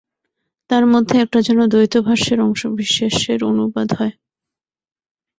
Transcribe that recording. তার মধ্যে একটা যেন দ্বৈত-ভাষ্যের অংশবিশেষের অনুবাদ হয়।